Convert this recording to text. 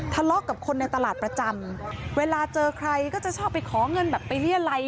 ทะเลาะกับคนในตลาดประจำเวลาเจอใครก็จะชอบไปขอเงินแบบไปเรียรัย